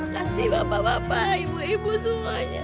kasih bapak bapak ibu ibu semuanya